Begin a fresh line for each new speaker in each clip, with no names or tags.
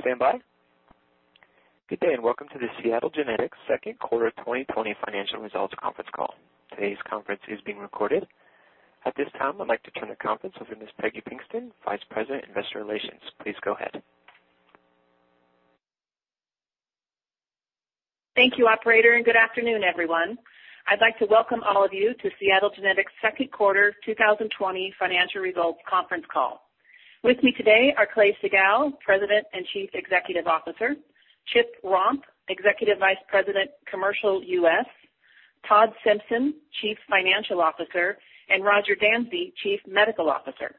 Standby. Good day. Welcome to the Seattle Genetics second quarter 2020 financial results conference call. Today's conference is being recorded. At this time, I'd like to turn the conference over to Ms. Peggy Pinkston, Vice President, Investor Relations. Please go ahead.
Thank you, operator, and good afternoon, everyone. I'd like to welcome all of you to Seattle Genetics' second quarter 2020 financial results conference call. With me today are Clay Siegall, President and Chief Executive Officer, Chip Romp, Executive Vice President, Commercial U.S., Todd Simpson, Chief Financial Officer, and Roger Dansey, Chief Medical Officer.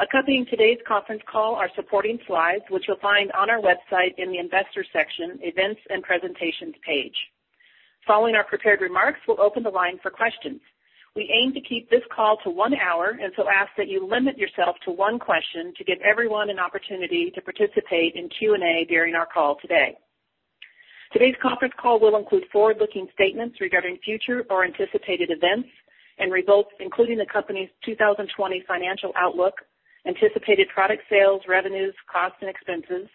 Accompanying today's conference call are supporting slides, which you'll find on our website in the Investors section, Events and Presentations page. Following our prepared remarks, we'll open the line for questions. We aim to keep this call to one hour. So ask that you limit yourself to one question to give everyone an opportunity to participate in Q&A during our call today. Today's conference call will include forward-looking statements regarding future or anticipated events and results, including the company's 2020 financial outlook, anticipated product sales, revenues, costs, and expenses,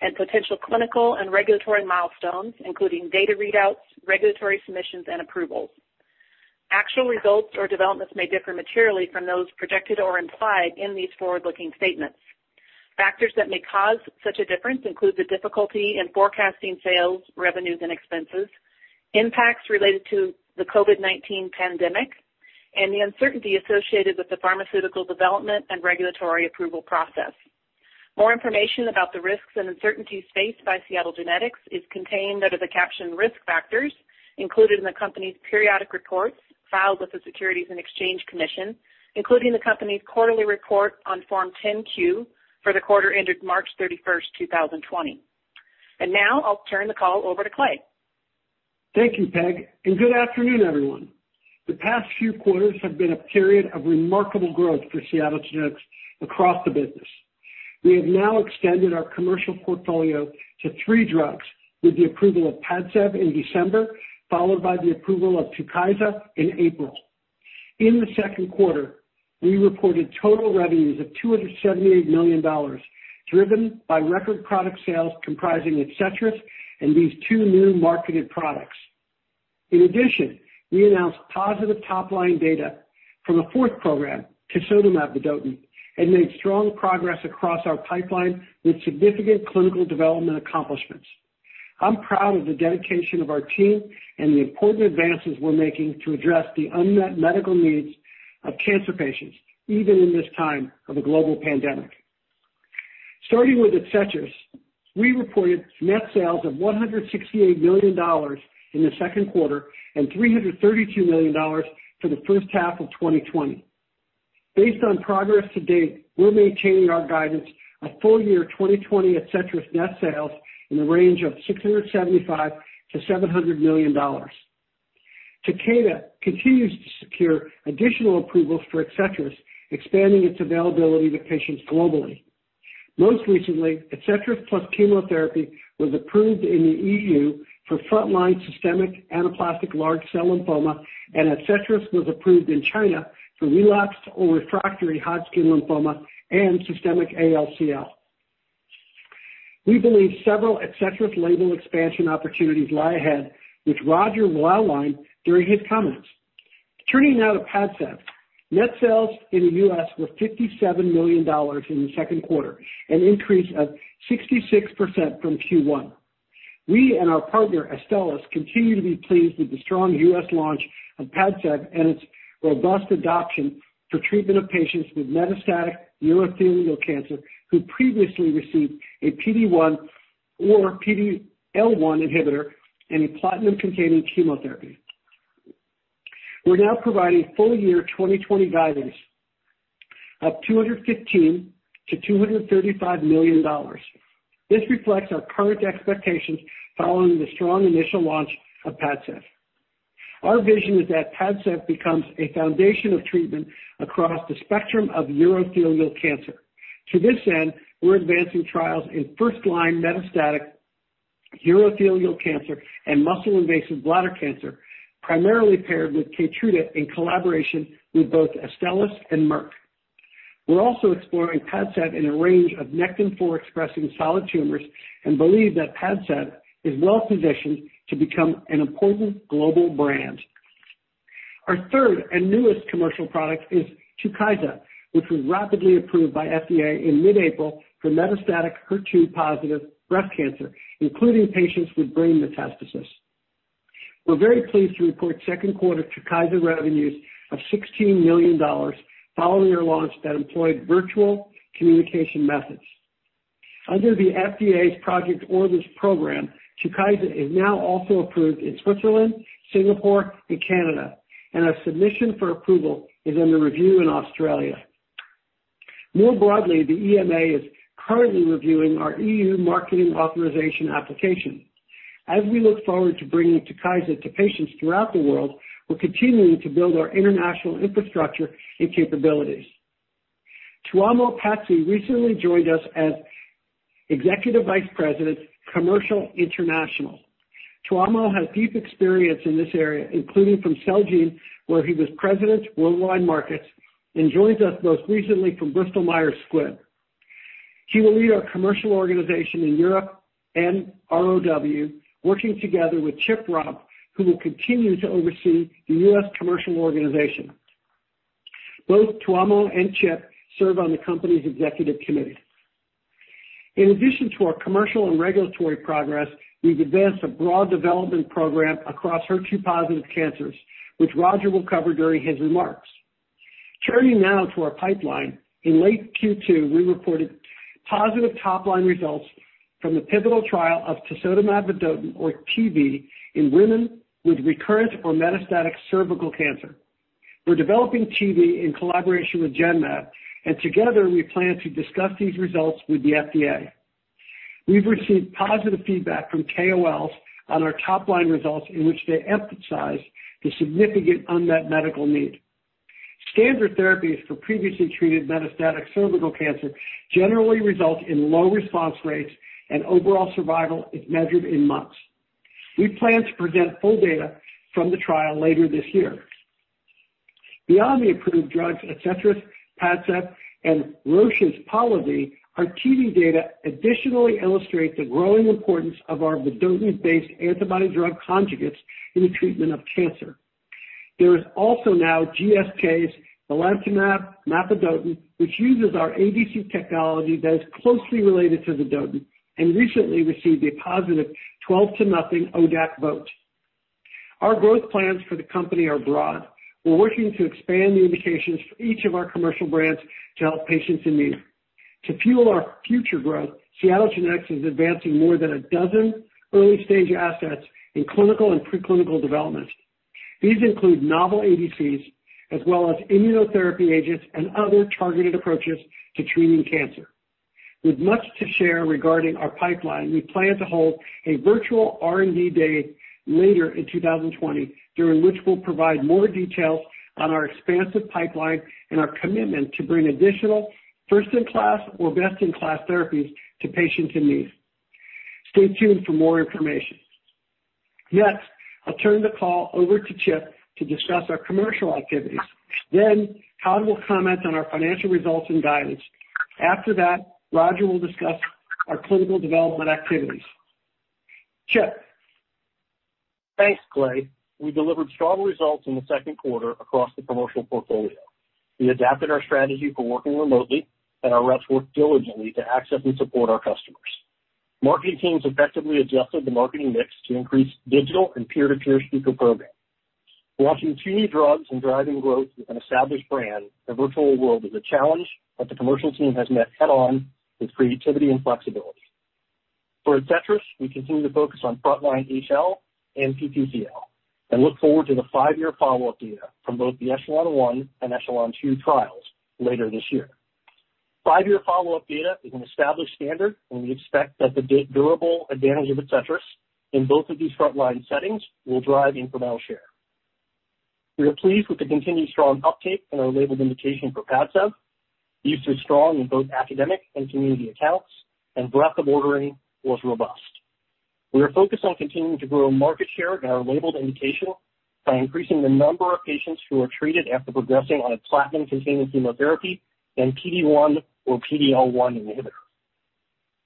and potential clinical and regulatory milestones, including data readouts, regulatory submissions, and approvals. Actual results or developments may differ materially from those projected or implied in these forward-looking statements. Factors that may cause such a difference include the difficulty in forecasting sales, revenues, and expenses, impacts related to the COVID-19 pandemic, and the uncertainty associated with the pharmaceutical development and regulatory approval process. More information about the risks and uncertainties faced by Seattle Genetics is contained under the caption Risk Factors included in the company's periodic reports filed with the Securities and Exchange Commission, including the company's quarterly report on Form 10-Q for the quarter ended March 31st, 2020. Now I'll turn the call over to Clay.
Thank you, Peg. Good afternoon, everyone. The past few quarters have been a period of remarkable growth for Seattle Genetics across the business. We have now extended our Commercial Portfolio to three drugs with the approval of PADCEV in December, followed by the approval of TUKYSA in April. In the second quarter, we reported total revenues of $278 million, driven by record product sales comprising ADCETRIS and these two new marketed products. In addition, we announced positive top-line data from a fourth program, tisotumab vedotin, and made strong progress across our pipeline with significant clinical development accomplishments. I'm proud of the dedication of our team and the important advances we're making to address the unmet medical needs of cancer patients, even in this time of a global pandemic. Starting with ADCETRIS, we reported net sales of $168 million in the second quarter and $332 million for the first half of 2020. Based on progress to date, we're maintaining our guidance of full-year 2020 ADCETRIS net sales in the range of $675 million-$700 million. TUKYSA continues to secure additional approvals for ADCETRIS, expanding its availability to patients globally. Most recently, ADCETRIS plus chemotherapy was approved in the EU for frontline systemic anaplastic large cell lymphoma, and ADCETRIS was approved in China for relapsed or refractory Hodgkin lymphoma and systemic ALCL. We believe several ADCETRIS label expansion opportunities lie ahead, which Roger will outline during his comments. Turning now to PADCEV. Net sales in the U.S. were $57 million in the second quarter, an increase of 66% from Q1. We and our partner Astellas continue to be pleased with the strong U.S. launch of PADCEV and its robust adoption for treatment of patients with metastatic urothelial cancer who previously received a PD-1 or PD-L1 inhibitor and a platinum-containing chemotherapy. We're now providing full-year 2020 guidance of $215 million-$235 million. This reflects our current expectations following the strong initial launch of PADCEV. Our vision is that PADCEV becomes a foundation of treatment across the spectrum of urothelial cancer. To this end, we're advancing trials in first-line metastatic urothelial cancer and muscle-invasive bladder cancer, primarily paired with KEYTRUDA in collaboration with both Astellas and Merck. We're also exploring PADCEV in a range of Nectin-4 expressing solid tumors and believe that PADCEV is well-positioned to become an important global brand. Our third and newest commercial product is TUKYSA, which was rapidly approved by FDA in mid-April for metastatic HER2-positive breast cancer, including patients with brain metastasis. We're very pleased to report second quarter TUKYSA revenues of $16 million following our launch that employed virtual communication methods. Under the FDA's Project Orbis program, TUKYSA is now also approved in Switzerland, Singapore, and Canada, and our submission for approval is under review in Australia. More broadly, the EMA is currently reviewing our EU marketing authorization application. As we look forward to bringing TUKYSA to patients throughout the world, we're continuing to build our international infrastructure and capabilities. Tuomo Pätsi recently joined us as Executive Vice President, Commercial International. Tuomo has deep experience in this area, including from Celgene, where he was President, Worldwide Markets, and joins us most recently from Bristol Myers Squibb. He will lead our commercial organization in Europe and ROW, working together with Chip Romp, who will continue to oversee the U.S. Commercial Organization. Both Tuomo and Chip serve on the company's Executive Committee. In addition to our commercial and regulatory progress, we've advanced a broad development program across HER2-positive cancers, which Roger will cover during his remarks. Turning now to our pipeline. In late Q2, we reported positive top-line results from the pivotal trial of tisotumab vedotin, or TV, in women with recurrent or metastatic cervical cancer. We're developing TV in collaboration with Genmab. Together, we plan to discuss these results with the FDA. We've received positive feedback from KOLs on our top-line results, in which they emphasize the significant unmet medical need. Standard therapies for previously treated metastatic cervical cancer generally result in low response rates. Overall survival is measured in months. We plan to present full data from the trial later this year. Beyond the approved drugs, ADCETRIS, PADCEV, and Roche's Polivy, our TV data additionally illustrates the growing importance of our vedotin-based antibody drug conjugates in the treatment of cancer. There is also now GSK's belantamab mafodotin, which uses our ADC technology that is closely related to vedotin, and recently received a positive 12-to-nothing ODAC vote. Our growth plans for the company are broad. We're working to expand the indications for each of our commercial brands to help patients in need. To fuel our future growth, Seagen is advancing more than a dozen early-stage assets in clinical and pre-clinical development. These include novel ADCs, as well as immunotherapy agents and other targeted approaches to treating cancer. With much to share regarding our pipeline, we plan to hold a virtual R&D day later in 2020, during which we'll provide more details on our expansive pipeline and our commitment to bring additional first-in-class or best-in-class therapies to patients in need. Stay tuned for more information. I'll turn the call over to Chip to discuss our commercial activities. Then Todd will comment on our financial results and guidance. After that, Roger will discuss our clinical development activities. Chip?
Thanks, Clay. We delivered strong results in the second quarter across the Commercial Portfolio. We adapted our strategy for working remotely. Our reps worked diligently to access and support our customers. Marketing teams effectively adjusted the marketing mix to increase digital and peer-to-peer speaker programs. Launching two new drugs and driving growth with an established brand in a virtual world is a challenge that the commercial team has met head-on with creativity and flexibility. For ADCETRIS, we continue to focus on frontline HL and PTCL. Look forward to the five-year follow-up data from both the ECHELON-1 and ECHELON-2 trials later this year. Five-year follow-up data is an established standard. We expect that the durable advantage of ADCETRIS in both of these frontline settings will drive incremental share. We are pleased with the continued strong uptake in our labeled indication for PADCEV. Use was strong in both academic and community accounts, and breadth of ordering was robust. We are focused on continuing to grow market share in our labeled indication by increasing the number of patients who are treated after progressing on a platinum-containing chemotherapy, then PD-1 or PD-L1 inhibitor.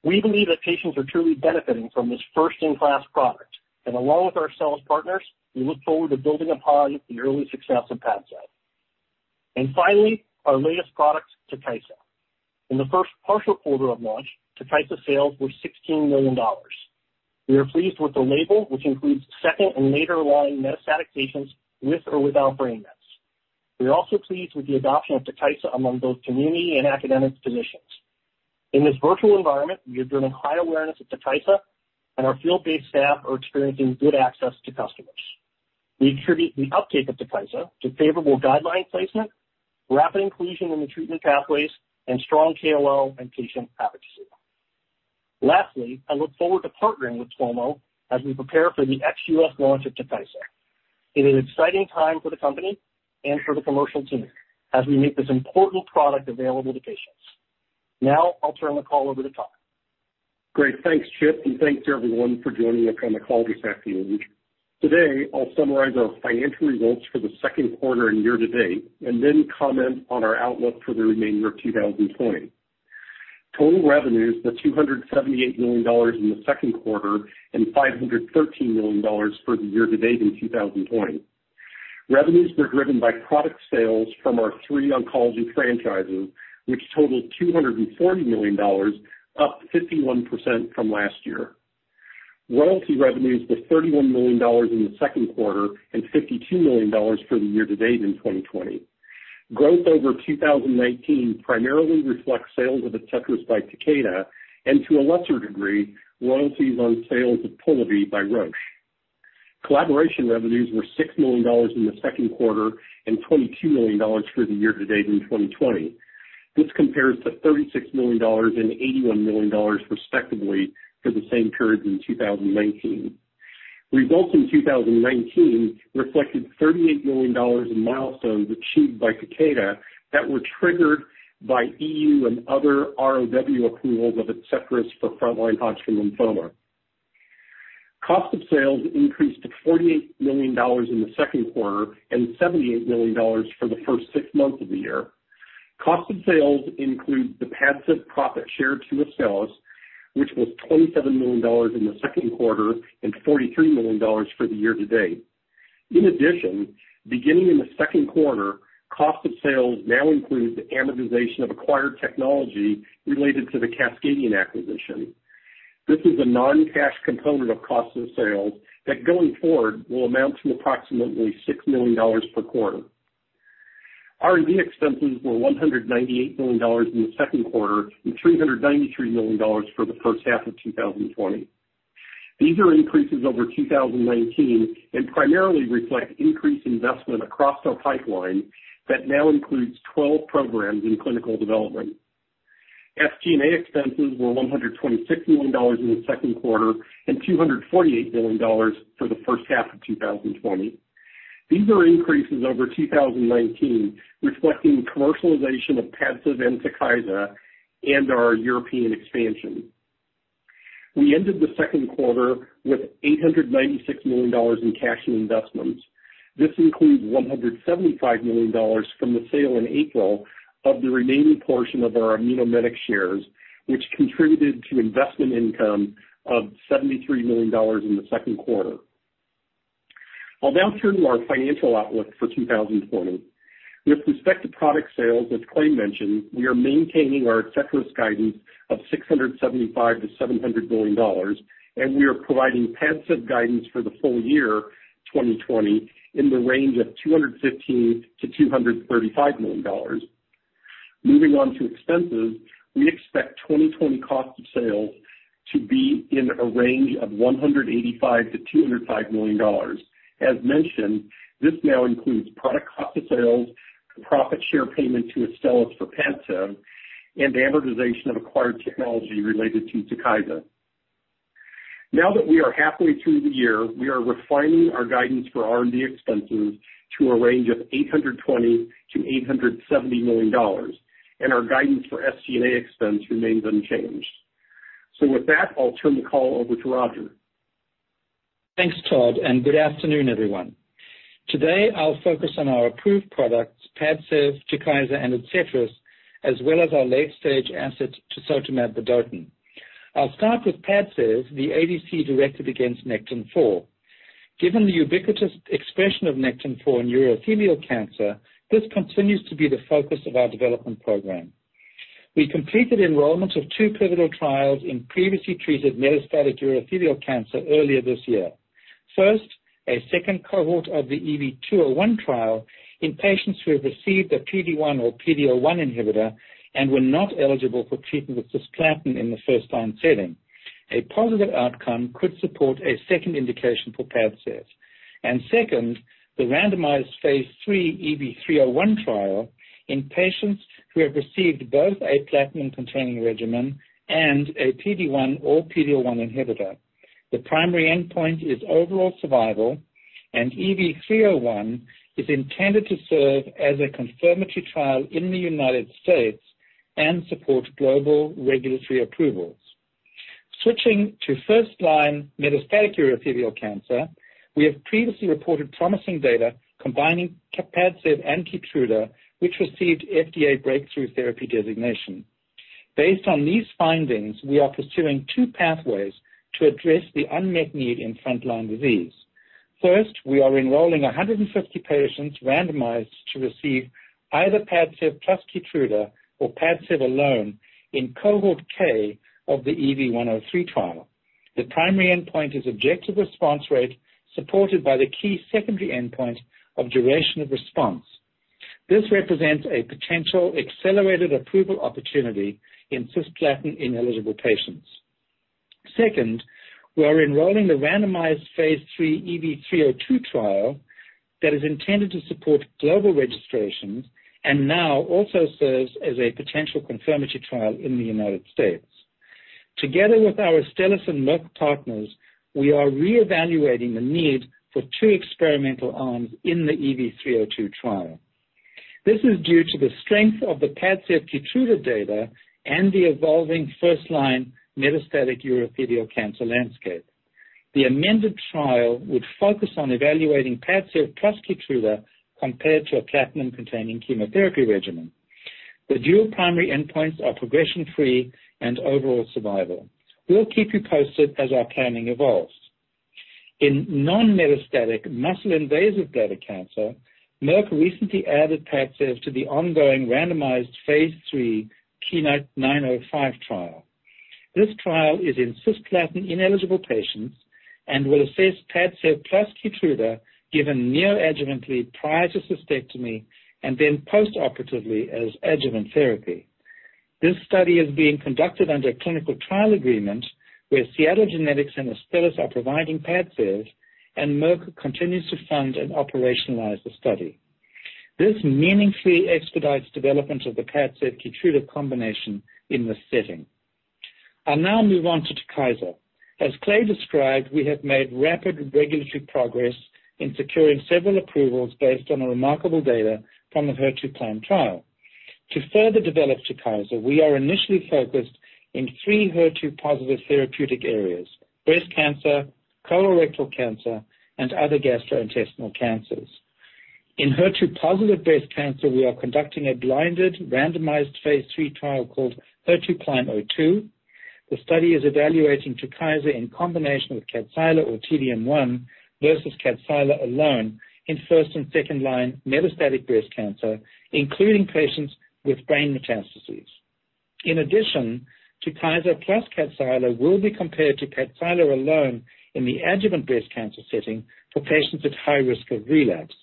We believe that patients are truly benefiting from this first-in-class product, and along with our sales partners, we look forward to building upon the early success of PADCEV. Finally, our latest product, TUKYSA. In the first partial quarter of launch, TUKYSA sales were $16 million. We are pleased with the label, which includes second and later line metastatic patients with or without brain mets. We are also pleased with the adoption of TUKYSA among both community and academic physicians. In this virtual environment, we are driven high awareness of TUKYSA, and our field-based staff are experiencing good access to customers. We attribute the uptake of TUKYSA to favorable guideline placement, rapid inclusion in the treatment pathways, and strong KOL and patient advocacy. Lastly, I look forward to partnering with Tuomo as we prepare for the ex-U.S. launch of TUKYSA. It is an exciting time for the company and for the commercial team as we make this important product available to patients. I'll turn the call over to Todd.
Great, thanks, Chip, and thanks to everyone for joining us on the call this afternoon. Today, I'll summarize our financial results for the second quarter and year-to-date, and then comment on our outlook for the remainder of 2020. Total revenues were $278 million in the second quarter and $513 million for the year to date in 2020. Revenues were driven by product sales from our three oncology franchises, which totaled $240 million, up 51% from last year. Royalty revenues were $31 million in the second quarter and $52 million for the year-to-date in 2020. Growth over 2019 primarily reflects sales of ADCETRIS by Takeda and, to a lesser degree, royalties on sales of POLIVY by Roche. Collaboration revenues were $6 million in the second quarter and $22 million for the year to date in 2020. This compares to $36 million and $81 million respectively to the same period in 2019. Results in 2019 reflected $38 million in milestones achieved by Takeda that were triggered by EU and other ROW approvals of ADCETRIS for frontline Hodgkin lymphoma. Cost of sales increased to $48 million in the second quarter and $78 million for the first six months of the year. Cost of sales includes the PADCEV profit share to Astellas, which was $27 million in the second quarter and $43 million for the year-to-date. In addition, beginning in the second quarter, cost of sales now includes the amortization of acquired technology related to the Cascadian acquisition. This is a non-cash component of cost of sales that, going forward, will amount to approximately $6 million per quarter. R&D expenses were $198 million in the second quarter and $393 million for the first half of 2020. These are increases over 2019 and primarily reflect increased investment across our pipeline that now includes 12 programs in clinical development. SG&A expenses were $126 million in the second quarter and $248 million for the first half of 2020. These are increases over 2019, reflecting commercialization of PADCEV and TUKYSA and our European expansion. We ended the second quarter with $896 million in cash and investments. This includes $175 million from the sale in April of the remaining portion of our Immunomedics shares, which contributed to investment income of $73 million in the second quarter. I'll now turn to our financial outlook for 2020. With respect to product sales, as Clay mentioned, we are maintaining our ADCETRIS guidance of $675 million-$700 million, and we are providing PADCEV guidance for the full year 2020 in the range of $215 million-$235 million. Moving on to expenses, we expect 2020 cost of sales to be in a range of $185 million-$205 million. As mentioned, this now includes product cost of sales, profit share payment to Astellas for PADCEV, and amortization of acquired technology related to TUKYSA. Now that we are halfway through the year, we are refining our guidance for R&D expenses to a range of $820 million-$870 million, and our guidance for SG&A expense remains unchanged. With that, I'll turn the call over to Roger.
Thanks, Todd. Good afternoon, everyone. Today, I'll focus on our approved products, PADCEV, TUKYSA, and ADCETRIS, as well as our late-stage asset, tisotumab vedotin. I'll start with PADCEV, the ADC directed against Nectin-4. Given the ubiquitous expression of Nectin-4 in urothelial cancer, this continues to be the focus of our development program. We completed enrollment of two pivotal trials in previously treated metastatic urothelial cancer earlier this year. First, a second cohort of the EV-201 trial in patients who have received a PD-1 or PD-L1 inhibitor and were not eligible for treatment with cisplatin in the first-line setting. A positive outcome could support a second indication for PADCEV. Second, the randomized phase III EV-301 trial in patients who have received both a platinum-containing regimen and a PD-1 or PD-L1 inhibitor. The primary endpoint is overall survival, and EV-301 is intended to serve as a confirmatory trial in the U.S. and support global regulatory approvals. Switching to first-line metastatic urothelial cancer, we have previously reported promising data combining PADCEV and KEYTRUDA, which received FDA breakthrough therapy designation. Based on these findings, we are pursuing two pathways to address the unmet need in frontline disease. First, we are enrolling 150 patients randomized to receive either PADCEV plus KEYTRUDA or PADCEV alone in cohort K of the EV-103 trial. The primary endpoint is objective response rate, supported by the key secondary endpoint of duration of response. This represents a potential accelerated approval opportunity in cisplatin-ineligible patients. Second, we are enrolling the randomized phase III EV-302 trial that is intended to support global registrations and now also serves as a potential confirmatory trial in the U.S. Together with our Astellas and Merck partners, we are reevaluating the need for two experimental arms in the EV-302 trial. This is due to the strength of the PADCEV-KEYTRUDA data and the evolving first-line metastatic urothelial cancer landscape. The amended trial would focus on evaluating PADCEV plus KEYTRUDA compared to a platinum-containing chemotherapy regimen. The dual primary endpoints are progression-free and overall survival. We'll keep you posted as our planning evolves. In non-metastatic muscle-invasive bladder cancer, Merck recently added PADCEV to the ongoing randomized phase III KEYNOTE-905 trial. This trial is in cisplatin-ineligible patients and will assess PADCEV plus KEYTRUDA given neoadjuvantly prior to cystectomy and then post-operatively as adjuvant therapy. This study is being conducted under a clinical trial agreement where Seagen and Astellas are providing PADCEV, and Merck continues to fund and operationalize the study. This meaningfully expedites development of the PADCEV-KEYTRUDA combination in this setting. I'll now move on to TUKYSA. As Clay described, we have made rapid regulatory progress in securing several approvals based on the remarkable data from the HER2CLIMB trial. To further develop TUKYSA, we are initially focused in three HER2-positive therapeutic areas: breast cancer, colorectal cancer, and other gastrointestinal cancers. In HER2-positive breast cancer, we are conducting a blinded, randomized phase III trial called HER2CLIMB-02. The study is evaluating TUKYSA in combination with KADCYLA or T-DM1 versus KADCYLA alone in first and second-line metastatic breast cancer, including patients with brain metastases. In addition, TUKYSA plus KADCYLA will be compared to KADCYLA alone in the adjuvant breast cancer setting for patients at high risk of relapse.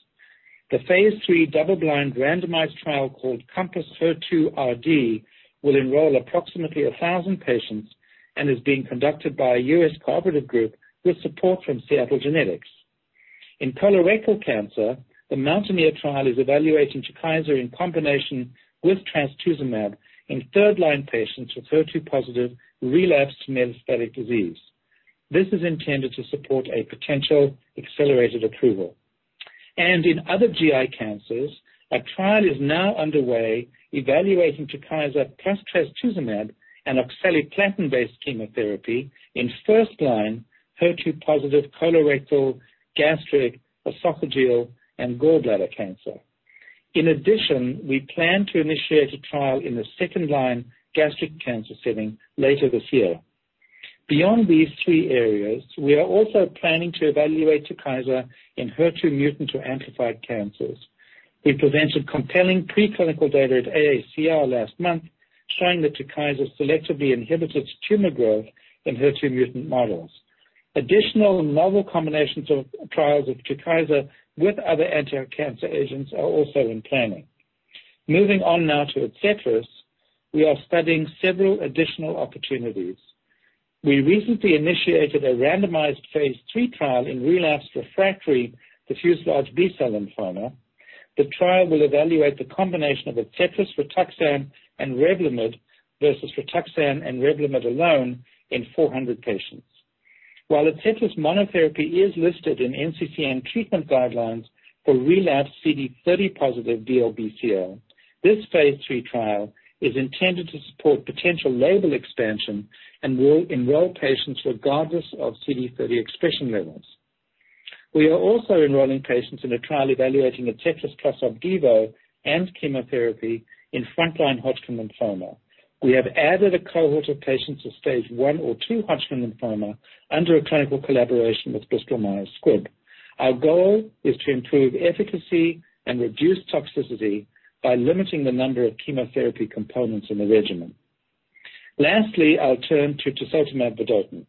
The phase III double-blind randomized trial called CompassHER2 RD will enroll approximately 1,000 patients and is being conducted by a U.S. cooperative group with support from Seagen. In colorectal cancer, the MOUNTAINEER trial is evaluating TUKYSA in combination with trastuzumab in third-line patients with HER2-positive relapsed metastatic disease. This is intended to support a potential accelerated approval. In other GI cancers, a trial is now underway evaluating TUKYSA plus trastuzumab, an oxaliplatin-based chemotherapy in first-line HER2-positive colorectal, gastric, esophageal, and gallbladder cancer. In addition, we plan to initiate a trial in the second-line gastric cancer setting later this year. Beyond these three areas, we are also planning to evaluate TUKYSA in HER2 mutant or amplified cancers. We presented compelling preclinical data at AACR last month showing that TUKYSA selectively inhibits tumor growth in HER2 mutant models. Additional novel combinations of trials of TUKYSA with other anti-cancer agents are also in planning. Moving on now to ADCETRIS. We are studying several additional opportunities. We recently initiated a randomized phase III trial in relapsed refractory diffuse large B-cell lymphoma. The trial will evaluate the combination of ADCETRIS, RITUXAN, and REVLIMID versus RITUXAN and REVLIMID alone in 400 patients. While ADCETRIS monotherapy is listed in NCCN treatment guidelines for relapsed CD30-positive DLBCL, this phase III trial is intended to support potential label expansion and will enroll patients regardless of CD30 expression levels. We are also enrolling patients in a trial evaluating ADCETRIS plus OPDIVO and chemotherapy in frontline Hodgkin lymphoma. We have added a cohort of patients with Stage 1 or 2 Hodgkin lymphoma under a clinical collaboration with Bristol Myers Squibb. Our goal is to improve efficacy and reduce toxicity by limiting the number of chemotherapy components in the regimen. Lastly, I'll turn to tisotumab vedotin.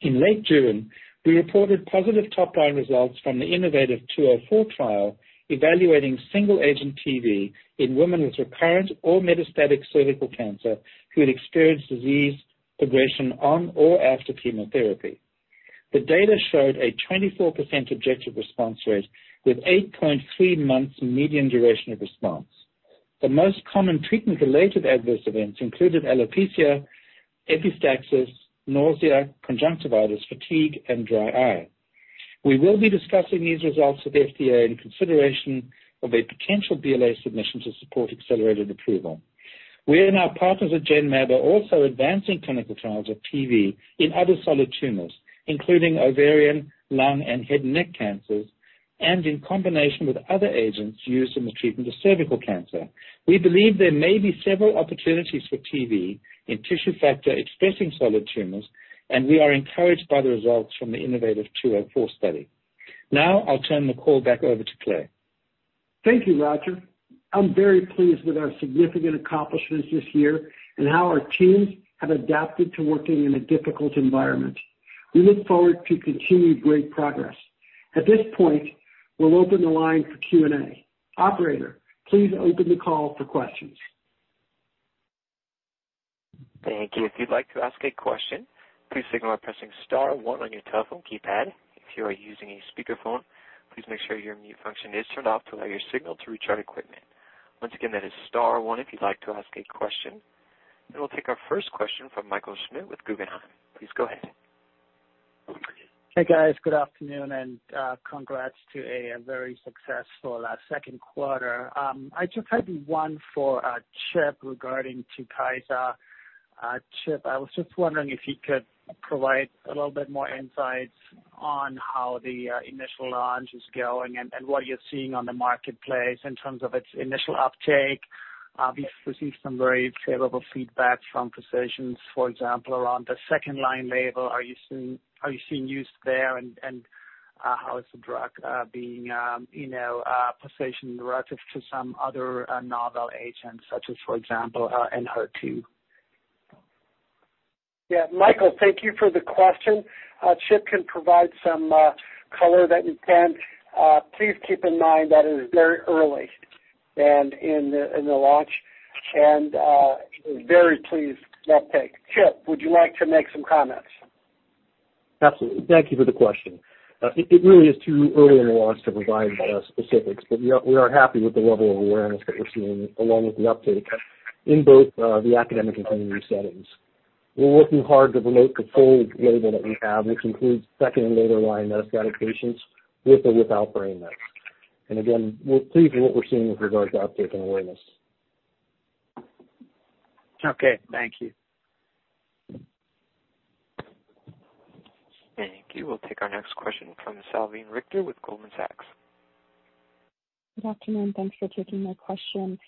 In late June, we reported positive top-line results from the innovaTV 204 trial evaluating single-agent TV in women with recurrent or metastatic cervical cancer who had experienced disease progression on or after chemotherapy. The data showed a 24% objective response rate with 8.3 months median duration of response. The most common treatment-related adverse events included alopecia, epistaxis, nausea, conjunctivitis, fatigue, and dry eye. We will be discussing these results with FDA in consideration of a potential BLA submission to support accelerated approval. We and our partners at Genmab are also advancing clinical trials of TV in other solid tumors, including ovarian, lung, and head and neck cancers, and in combination with other agents used in the treatment of cervical cancer. We believe there may be several opportunities for TV in tissue factor expressing solid tumors, and we are encouraged by the results from the innovaTV 204 study. Now I'll turn the call back over to Clay.
Thank you, Roger. I'm very pleased with our significant accomplishments this year and how our teams have adapted to working in a difficult environment. We look forward to continued great progress. At this point, we'll open the line for Q&A. Operator, please open the call for questions.
Thank you. If you'd like to ask a question, please signal by pressing star one on your telephone keypad. If you are using a speakerphone, please make sure your mute function is turned off to allow your signal to reach our equipment. Once again, that is star one if you'd like to ask a question. We'll take our first question from Michael Schmidt with Guggenheim. Please go ahead.
Hey, guys. Good afternoon. Congrats to a very successful second quarter. I just had one for Chip regarding TUKYSA. Chip, I was just wondering if you could provide a little bit more insight on how the initial launch is going and what you're seeing on the marketplace in terms of its initial uptake. We've received some very favorable feedback from physicians, for example, around the second-line label. Are you seeing use there, and how is the drug being positioned relative to some other novel agents such as, for example, in HER2?
Yeah, Michael, thank you for the question. Chip can provide some color there. Please keep in mind that it is very early in the launch, and very pleased with that take. Chip, would you like to make some comments?
Absolutely. Thank you for the question. It really is too early in the launch to provide specifics, but we are happy with the level of awareness that we're seeing along with the uptake in both the academic and community settings. We're working hard to promote the full label that we have, which includes second and later line metastatic patients with or without brain mets. Again, we're pleased with what we're seeing with regards to uptake and awareness.
Okay. Thank you.
Thank you. We'll take our next question from Salveen Richter with Goldman Sachs.
Good afternoon. Thanks for taking my question.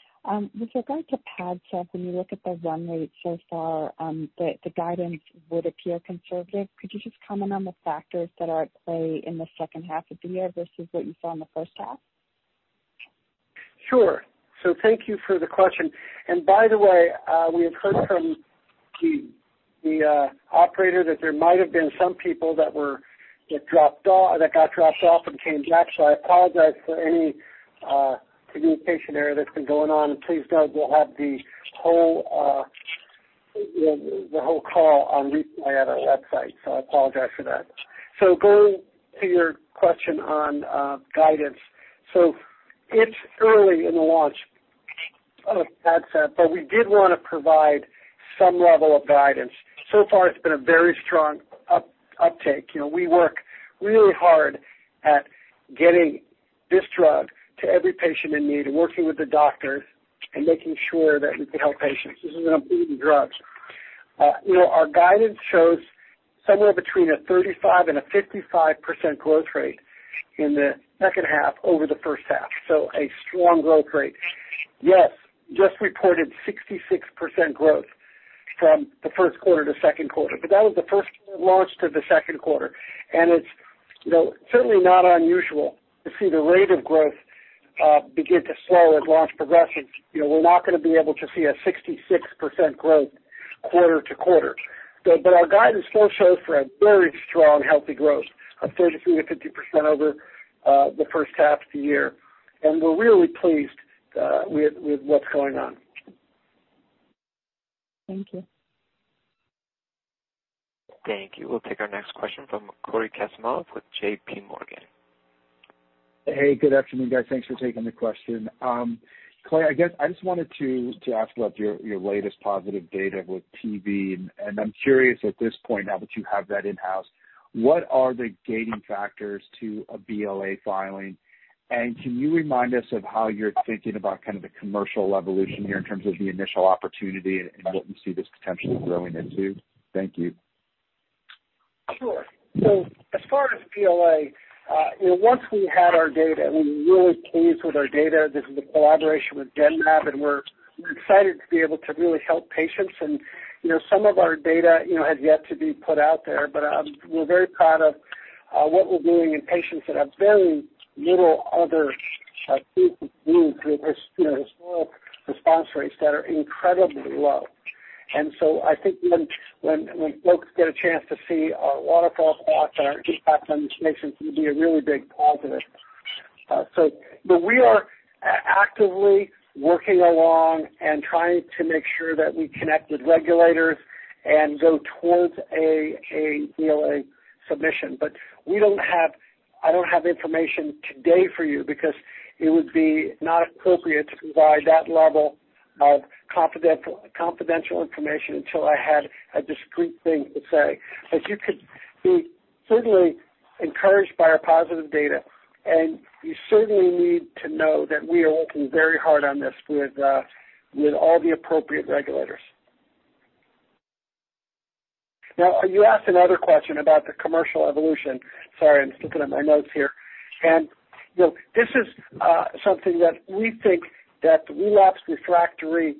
With regard to PADCEV, when you look at the run rate so far, the guidance would appear conservative. Could you just comment on the factors that are at play in the second half of the year versus what you saw in the first half?
Sure. Thank you for the question. By the way, we have heard from the operator that there might have been some people that got dropped off and came back. I apologize for any communication error that's been going on. Please note we'll have the whole call on replay at our website. I apologize for that. Going to your question on guidance. It's early in the launch of PADCEV, but we did want to provide some level of guidance. So far it's been a very strong uptake. We work really hard at getting this drug to every patient in need and working with the doctors and making sure that we can help patients. This is an important drug. Our guidance shows somewhere between a 35% and a 55% growth rate in the second half over the first half. A strong growth rate. Yes, just reported 66% growth from the first quarter to second quarter. That was the first launch to the second quarter. It's certainly not unusual to see the rate of growth begin to slow as launch progresses. We're not going to be able to see a 66% growth quarter to quarter. Our guidance still shows for a very strong, healthy growth of 33%-50% over the first half of the year. We're really pleased with what's going on.
Thank you.
Thank you. We'll take our next question from Cory Kasimov with JPMorgan.
Hey, good afternoon, guys. Thanks for taking the question. Clay, I guess I just wanted to ask about your latest positive data with TV. I'm curious at this point, now that you have that in-house, what are the gating factors to a BLA filing? Can you remind us of how you're thinking about kind of the commercial evolution here in terms of the initial opportunity and what you see this potentially growing into? Thank you.
Sure. As far as BLA, once we had our data, we were really pleased with our data. This is a collaboration with Genmab, and we're excited to be able to really help patients. Some of our data has yet to be put out there. We're very proud of what we're doing in patients that have very little other treatment views with historical response rates that are incredibly low. I think when folks get a chance to see our waterfall plots and our impact on patients can be a really big positive. We are actively working along and trying to make sure that we connect with regulators and go towards a BLA submission. I don't have information today for you because it would be not appropriate to provide that level of confidential information until I had a discrete thing to say. You could be certainly encouraged by our positive data, and you certainly need to know that we are working very hard on this with all the appropriate regulators. You asked another question about the commercial evolution. Sorry, I'm just looking at my notes here. This is something that we think that relapsed refractory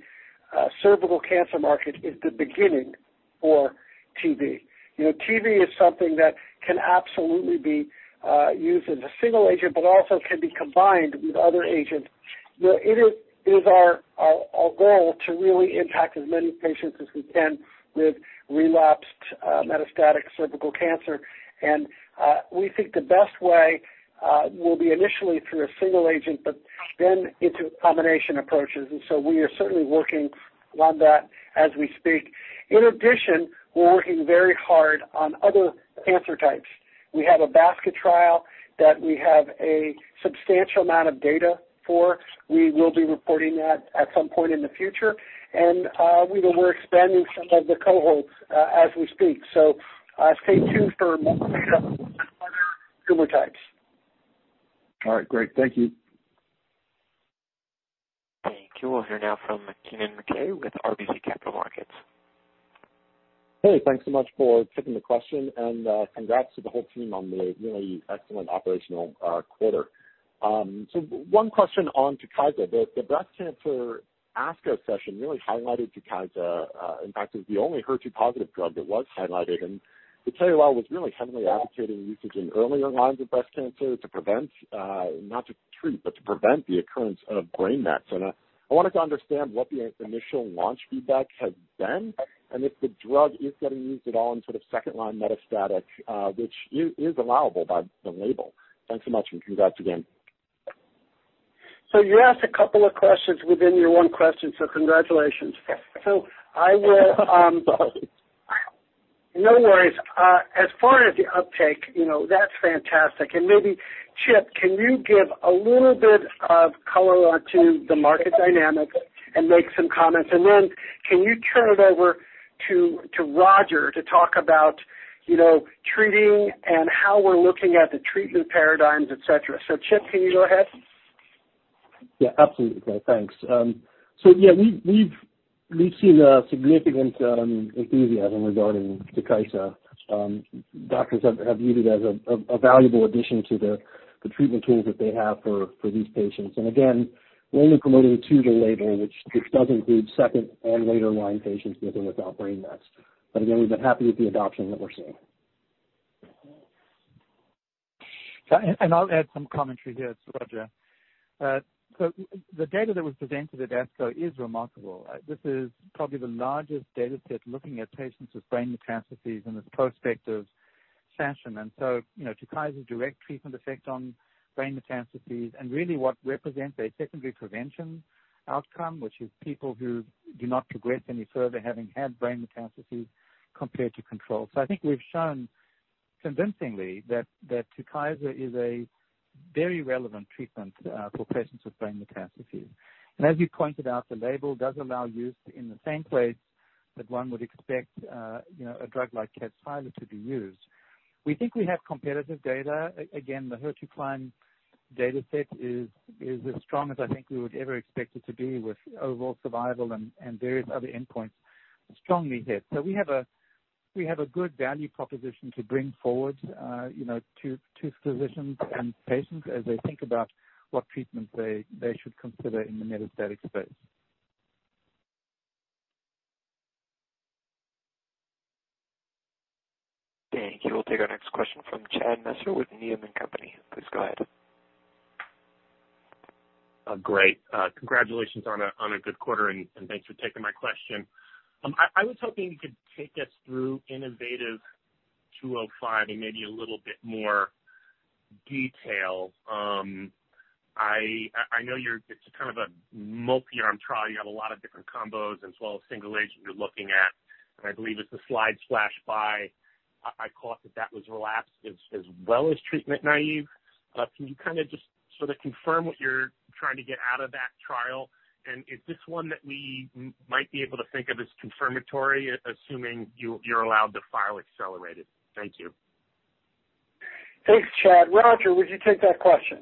cervical cancer market is the beginning for TV. TV is something that can absolutely be used as a single-agent, but also can be combined with other agents. It is our goal to really impact as many patients as we can with relapsed metastatic cervical cancer. We think the best way will be initially through a single-agent, but then into combination approaches. We are certainly working on that as we speak. In addition, we're working very hard on other cancer types. We have a basket trial that we have a substantial amount of data for. We will be reporting that at some point in the future. We're expanding some of the cohorts as we speak. Stay tuned for more other tumor types.
All right, great. Thank you.
Thank you. We'll hear now from Kennen MacKay with RBC Capital Markets.
Hey, thanks so much for taking the question, and congrats to the whole team on the really excellent operational quarter. One question on TUKYSA. The breast cancer ASCO session really highlighted TUKYSA. In fact, it was the only HER2-positive drug that was highlighted, and the TUKYSA was really heavily advocated in usage in earlier lines of breast cancer to prevent, not to treat, but to prevent the occurrence of brain mets. I wanted to understand what the initial launch feedback has been and if the drug is getting used at all in sort of second-line metastatic, which is allowable by the label. Thanks so much, and congrats again.
You asked a couple of questions within your one question, so congratulations. No worries. As far as the uptake, that's fantastic. Maybe, Chip, can you give a little bit of color onto the market dynamics and make some comments? Can you turn it over to Roger to talk about treating and how we're looking at the treatment paradigms, et cetera. Chip, can you go ahead?
Absolutely. Thanks. We've seen a significant enthusiasm regarding TUKYSA. Doctors have viewed it as a valuable addition to the treatment tools that they have for these patients. Again, we're only promoting it to the label, which does include second and later line patients with or without brain mets. Again, we've been happy with the adoption that we're seeing.
I'll add some commentary here. It's Roger. The data that was presented at ASCO is remarkable. This is probably the largest data set looking at patients with brain metastases in this prospective fashion. TUKYSA's direct treatment effect on brain metastases and really what represents a secondary prevention outcome, which is people who do not progress any further, having had brain metastases compared to control. I think we've shown convincingly that TUKYSA is a very relevant treatment for patients with brain metastases. As you pointed out, the label does allow use in the same ways that one would expect a drug like KADCYLA to be used. We think we have competitive data. Again, the HER2CLIMB data set is as strong as I think we would ever expect it to be, with overall survival and various other endpoints strongly hit. We have a good value proposition to bring forward to physicians and patients as they think about what treatments they should consider in the metastatic space.
Thank you. We'll take our next question from Chad Messer with Needham & Company. Please go ahead.
Great. Congratulations on a good quarter. Thanks for taking my question. I was hoping you could take us through innovaTV 205 in maybe a little bit more detail. I know it's a kind of a multi-arm trial. You have a lot of different combos as well as single agent you're looking at, and I believe as the slides flashed by, I caught that was relapsed as well as treatment naive. Can you just sort of confirm what you're trying to get out of that trial? Is this one that we might be able to think of as confirmatory, assuming you're allowed to file accelerated? Thank you.
Thanks, Chad. Roger, would you take that question?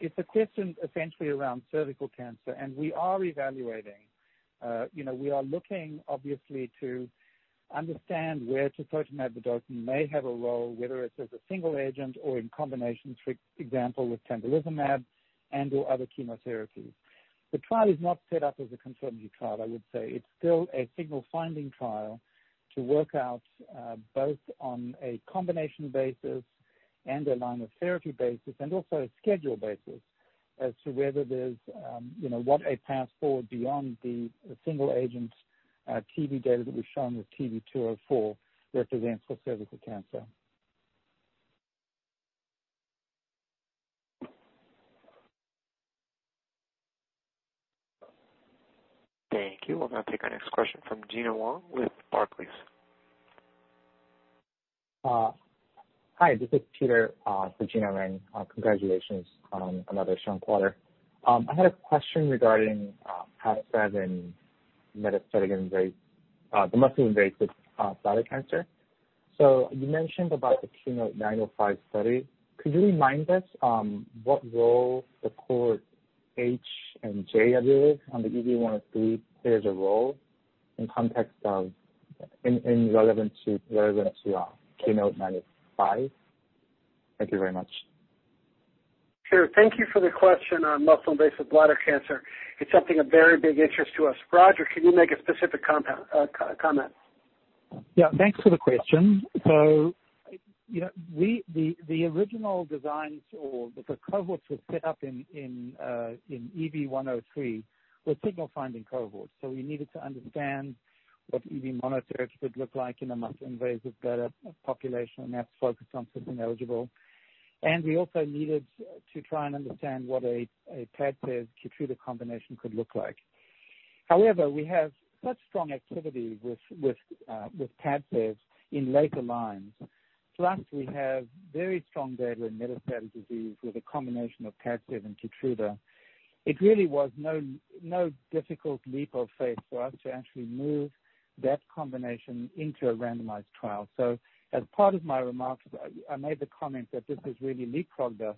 It's a question essentially around cervical cancer, and we are evaluating. We are looking obviously to understand where tisotumab vedotin may have a role, whether it's as a single-agent or in combination, for example, with pembrolizumab and/or other chemotherapies. The trial is not set up as a confirmatory trial, I would say. It's still a signal finding trial to work out both on a combination basis and a line of therapy basis, and also a schedule basis as to whether there's what a path forward beyond the single agent TV data that we've shown with TV204 represents for cervical cancer.
Thank you. We'll now take our next question from Gena Wang with Barclays.
Hi, this is Peter for Gena Wang. Congratulations on another strong quarter. I had a question regarding PADCEV and metastatic muscle invasive bladder cancer. You mentioned about the KEYNOTE-905 study. Could you remind us what role the cohort H&J, I believe, on the EV-103 plays a role in relevance to KEYNOTE-905? Thank you very much.
Sure. Thank you for the question on muscle invasive bladder cancer. It's something of very big interest to us. Roger, can you make a specific comment?
Yeah. Thanks for the question. The original designs or the cohorts were set up in EV-103 were signal finding cohorts. We needed to understand what EV monotherapy would look like in a muscle-invasive bladder population, and that's focused on cis-ineligible. We also needed to try and understand what a PADCEV KEYTRUDA combination could look like. However, we have such strong activity with PADCEV in later lines. Plus, we have very strong data in metastatic disease with a combination of PADCEV and KEYTRUDA. It really was no difficult leap of faith for us to actually move that combination into a randomized trial. As part of my remarks, I made the comment that this has really leapfrogged us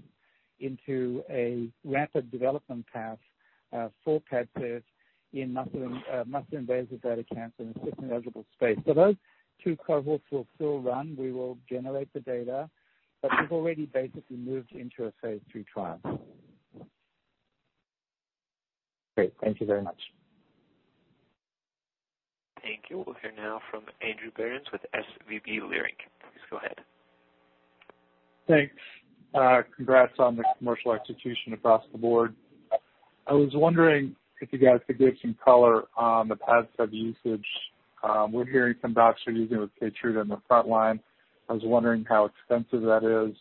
into a rapid development path for PADCEV in muscle-invasive bladder cancer in a cis-ineligible space. Those two cohorts will still run. We will generate the data, but we've already basically moved into a phase III trial.
Great. Thank you very much.
Thank you. We'll hear now from Andrew Berens with SVB Leerink. Please go ahead.
Thanks. Congrats on the commercial execution across the board. I was wondering if you guys could give some color on the PADCEV usage. We're hearing some doctors are using with KEYTRUDA in the front line. I was wondering how extensive that is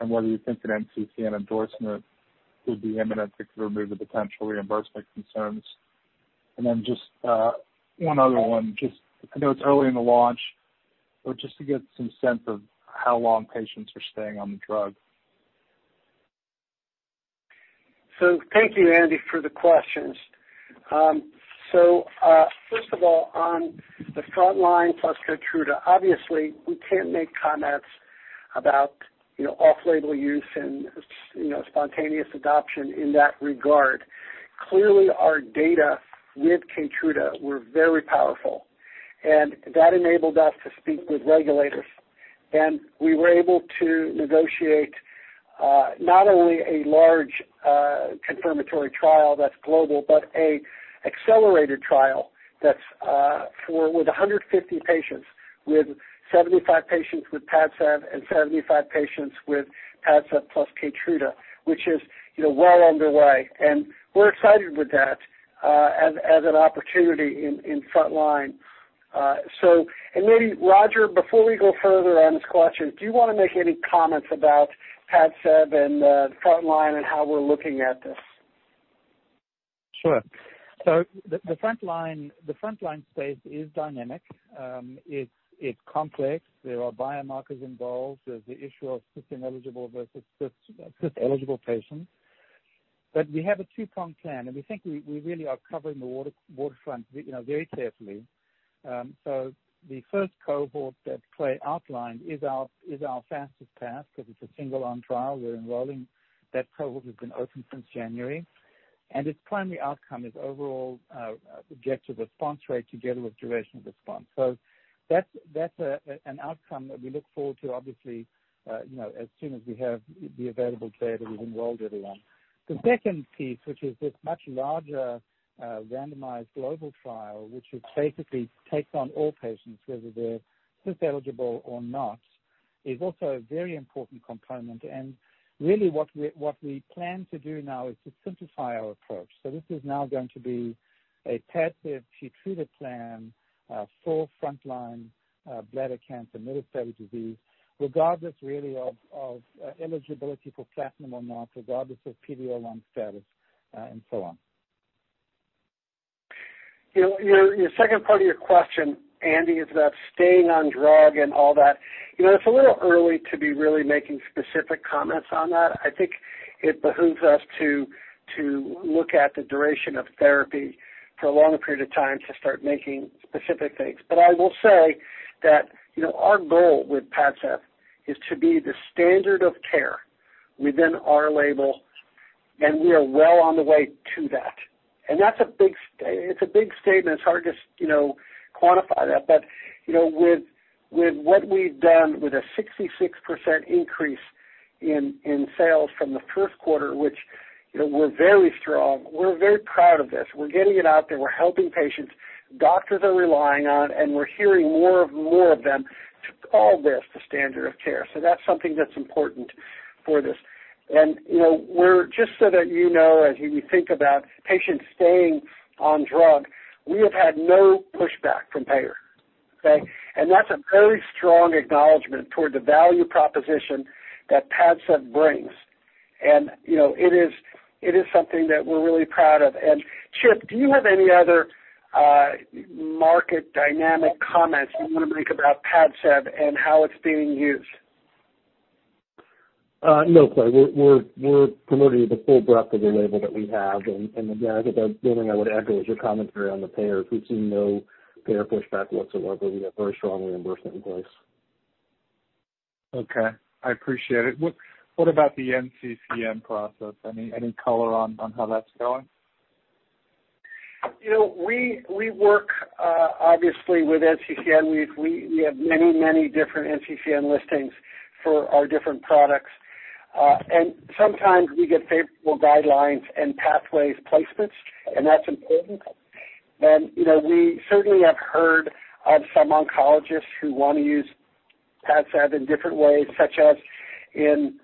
and whether you think an NCCN, an endorsement would be imminent that could remove the potential reimbursement concerns? Just one other one, I know it's early in the launch, but just to get some sense of how long patients are staying on the drug.
Thank you, Andy, for the questions. First of all, on the frontline plus KEYTRUDA, obviously we can't make comments about off-label use and spontaneous adoption in that regard. Clearly, our data with KEYTRUDA were very powerful, and that enabled us to speak with regulators. We were able to negotiate not only a large confirmatory trial that's global, but an accelerated trial that's with 150 patients, with 75 patients with PADCEV and 75 patients with PADCEV plus KEYTRUDA, which is well underway. We're excited with that as an opportunity in frontline. Maybe Roger, before we go further on this question, do you want to make any comments about PADCEV and frontline and how we're looking at this?
Sure. The frontline space is dynamic. It's complex. There are biomarkers involved. There's the issue of cis-ineligible versus cis-eligible patients. We have a two-prong plan, and we think we really are covering the waterfront very carefully. The first cohort that Clay outlined is our fastest path because it's a single arm trial. We're enrolling. That cohort has been open since January, and its primary outcome is overall objective response rate together with duration of response. That's an outcome that we look forward to, obviously, as soon as we have the available data, we've enrolled everyone. The second piece, which is this much larger randomized global trial, which would basically take on all patients, whether they're cis-eligible or not, is also a very important component. Really what we plan to do now is to simplify our approach. This is now going to be a PADCEV, KEYTRUDA plan for frontline bladder cancer metastatic disease, regardless really of eligibility for platinum or not, regardless of PD-L1 status, and so on.
Your second part of your question, Andy, is about staying on drug and all that. It's a little early to be really making specific comments on that. I think it behooves us to look at the duration of therapy for a longer period of time to start making specific takes. I will say that our goal with PADCEV is to be the standard of care within our label, and we are well on the way to that. That's a big statement. It's hard to quantify that. With what we've done with a 66% increase in sales from the first quarter, which we're very strong, we're very proud of this. We're getting it out there. We're helping patients. Doctors are relying on, we're hearing more and more of them call this the standard of care. That's something that's important for this. Just so that you know, as you think about patients staying on drug, we have had no pushback from payer. Okay. That's a very strong acknowledgement toward the value proposition that PADCEV brings. It is something that we're really proud of. Chip, do you have any other market dynamic comments you want to make about PADCEV and how it's being used?
No, Clay, we're promoting the full breadth of the label that we have. Again, I think the only thing I would echo is your commentary on the payers. We've seen no payer pushback whatsoever. We have very strong reimbursement in place.
Okay. I appreciate it. What about the NCCN process? Any color on how that's going?
We work, obviously with NCCN. We have many different NCCN listings for our different products. Sometimes we get favorable guidelines and pathways placements, and that's important. We certainly have heard of some oncologists who want to use PADCEV in different ways, such as in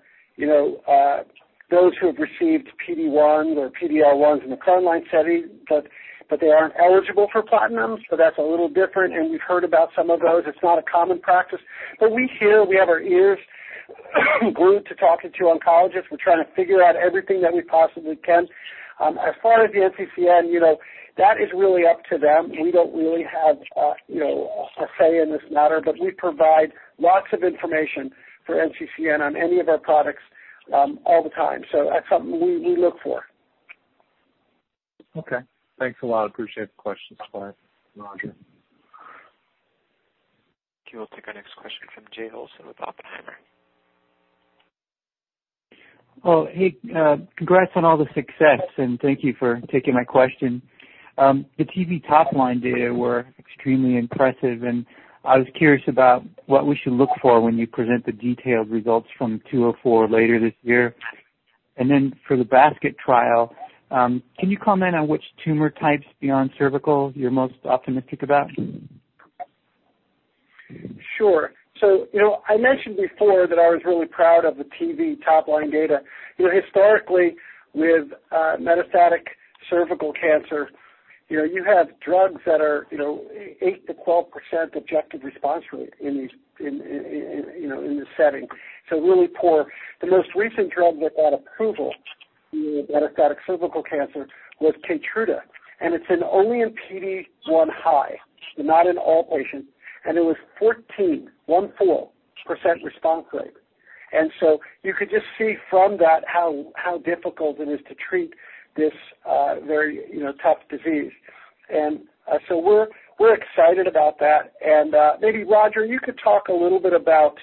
those who have received PD-1s or PD-L1s in the frontline setting, but they aren't eligible for platinums, so that's a little different. We've heard about some of those. It's not a common practice, but we have our ears glued to talking to oncologists. We're trying to figure out everything that we possibly can. As far as the NCCN, that is really up to them. We don't really have a say in this matter, but we provide lots of information for NCCN on any of our products all the time. That's something we look for.
Okay. Thanks a lot. Appreciate the questions, Clay and Roger.
Okay, we'll take our next question from Jay Olson with Oppenheimer.
Well, hey, congrats on all the success. Thank you for taking my question. The TV top-line data were extremely impressive. I was curious about what we should look for when you present the detailed results from 204 later this year. For the basket trial, can you comment on which tumor types beyond cervical you're most optimistic about?
Sure. I mentioned before that I was really proud of the TV top-line data. Historically, with metastatic cervical cancer, you have drugs that are 8%-12% objective response rate in this setting, so really poor. The most recent drug that got approval for metastatic cervical cancer was KEYTRUDA, it's only in PD-1 high, so not in all patients. It was 14% response rate. You could just see from that how difficult it is to treat this very tough disease. We're excited about that. Maybe, Roger, you could talk a little bit about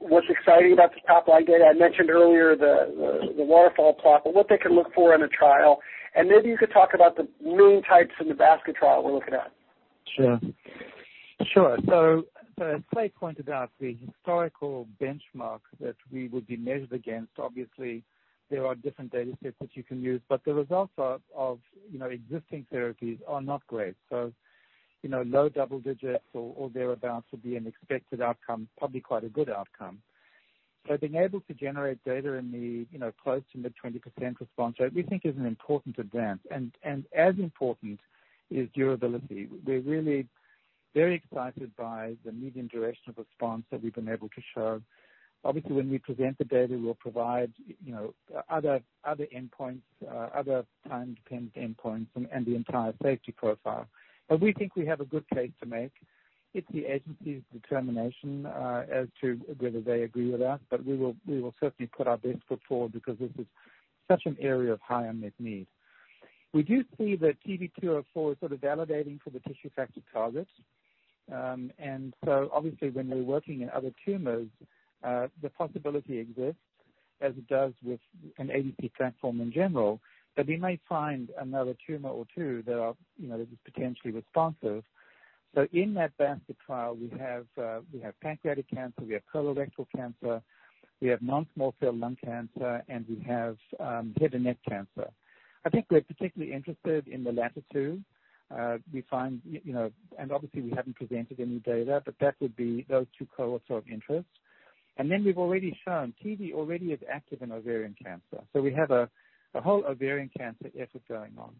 what's exciting about the top-line data. I mentioned earlier the waterfall plot, what they can look for in a trial, maybe you could talk about the main types in the basket trial we're looking at.
Sure. As Clay pointed out, the historical benchmark that we would be measured against, obviously there are different data sets that you can use, but the results of existing therapies are not great. Low-double digits or thereabouts would be an expected outcome, probably quite a good outcome. Being able to generate data in the close to mid 20% response rate, we think is an important advance. As important is durability. We're really very excited by the median duration of response that we've been able to show. Obviously, when we present the data, we'll provide other time-dependent endpoints and the entire safety profile. We think we have a good case to make. It's the agency's determination as to whether they agree with that. We will certainly put our best foot forward because this is such an area of high unmet need. We do see that TV 204 as sort of validating for the tissue factor target. Obviously when we're working in other tumors, the possibility exists, as it does with an ADC platform in general, that we may find another tumor or two that is potentially responsive. In that basket trial, we have pancreatic cancer, we have colorectal cancer, we have non-small cell lung cancer, and we have head and neck cancer. I think we're particularly interested in the latter two. Obviously we haven't presented any data, but that would be those two cohorts of interest. We've already shown TV already is active in ovarian cancer. We have a whole ovarian cancer effort going on.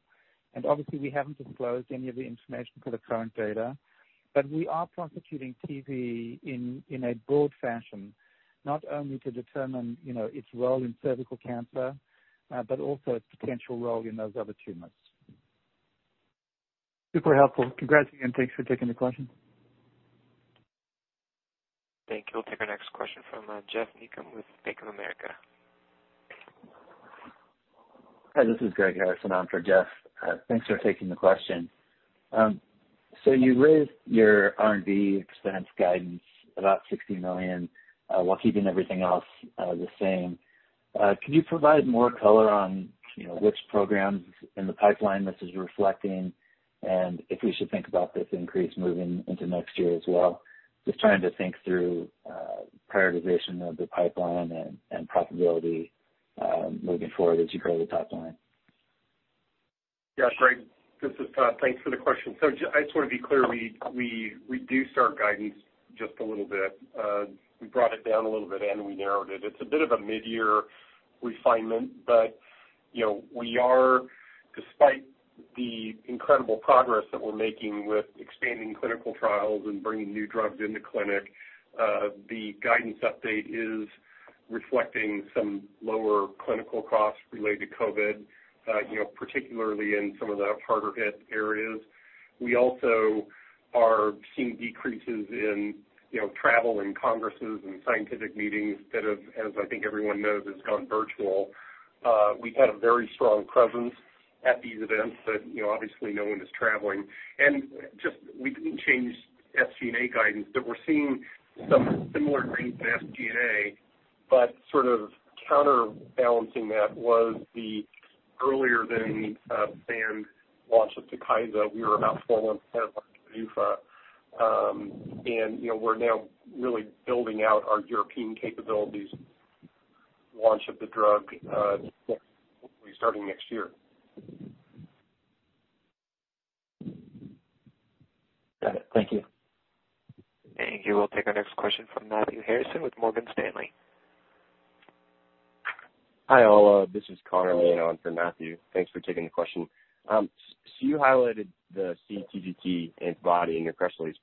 Obviously we haven't disclosed any of the information for the current data, but we are prosecuting TV in a broad fashion, not only to determine its role in cervical cancer, but also its potential role in those other tumors.
Super helpful. Congrats again. Thanks for taking the question.
Thank you. We'll take our next question from Geoff Meacham with Bank of America.
Hi, this is Greg Harrison on for Geoff. Thanks for taking the question. You raised your R&D expense guidance about $60 million, while keeping everything else the same. Could you provide more color on which programs in the pipeline this is reflecting and if we should think about this increase moving into next year as well? Just trying to think through prioritization of the pipeline and profitability moving forward as you grow the top line.
Yeah, Greg, this is Todd. Thanks for the question. I just want to be clear, we reduced our guidance just a little bit. We brought it down a little bit and we narrowed it. It's a bit of a mid-year refinement, but we are, despite the incredible progress that we're making with expanding clinical trials and bringing new drugs into clinic, the guidance update is reflecting some lower clinical costs related to COVID, particularly in some of the harder hit areas. We also are seeing decreases in travel and congresses and scientific meetings that have, as I think everyone knows, has gone virtual. We had a very strong presence at these events, but obviously no one is traveling. Just, we didn't change SG&A guidance, but we're seeing some similar gains in SG&A, but sort of counterbalancing that was the earlier than planned launch of TUKYSA. We were about four months ahead of PDUFA. We're now really building out our European capabilities launch of the drug, hopefully starting next year.
Got it. Thank you.
Thank you. We'll take our next question from Matthew Harrison with Morgan Stanley.
Hi, all. This is Connor Meehan for Matthew. Thanks for taking the question. You highlighted the TIGIT antibody in your press release.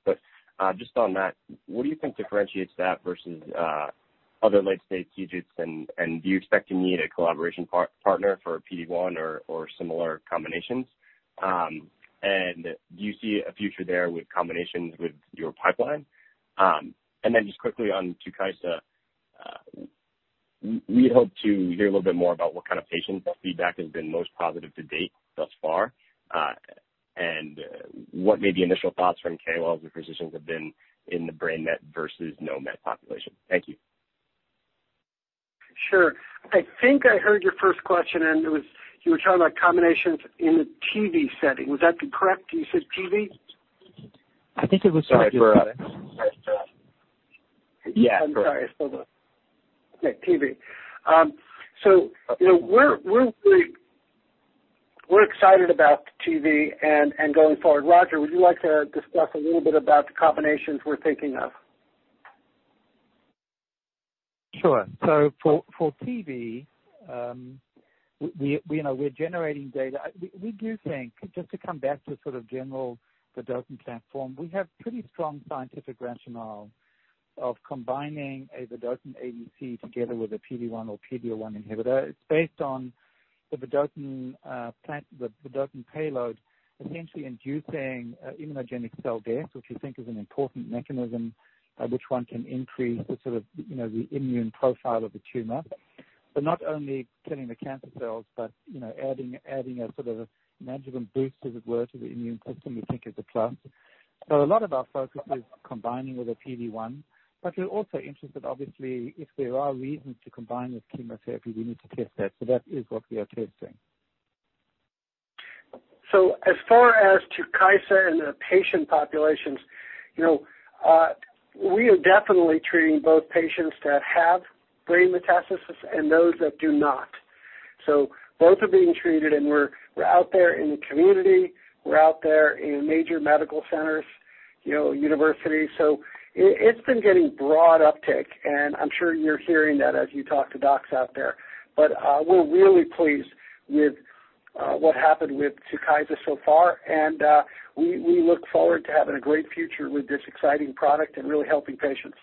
Just on that, what do you think differentiates that versus other late-stage TIGITs, and do you expect to need a collaboration partner for PD-1 or similar combinations? Do you see a future there with combinations with your pipeline? Just quickly on TUKYSA, we'd hope to hear a little bit more about what kind of patients the feedback has been most positive to date thus far. What may be initial thoughts from KOLs or physicians have been in the brain met versus no met population. Thank you.
Sure. I think I heard your first question and you were talking about combinations in the TV setting. Was that correct? You said TV?
I think it was. Yeah. Correct.
I'm sorry. Hold on. Yeah, TV. We're excited about TV and going forward. Roger, would you like to discuss a little bit about the combinations we're thinking of?
Sure. For PD, we're generating data. We do think, just to come back to sort of general vedotin platform, we have pretty strong scientific rationale of combining a vedotin ADC together with a PD-1 or PD-L1 inhibitor. It's based on the vedotin payload essentially inducing immunogenic cell death, which we think is an important mechanism by which one can increase the immune profile of the tumor. Not only killing the cancer cells, but adding a sort of an adjuvant boost, as it were, to the immune system, we think is a plus. A lot of our focus is combining with a PD-1, but we're also interested, obviously, if there are reasons to combine with chemotherapy, we need to test that. That is what we are testing.
As far as TUKYSA and the patient populations, we are definitely treating both patients that have brain metastasis and those that do not. Both are being treated, and we're out there in the community, we're out there in major medical centers, universities. It's been getting broad uptake, and I'm sure you're hearing that as you talk to docs out there. We're really pleased with what happened with TUKYSA so far, and we look forward to having a great future with this exciting product and really helping patients.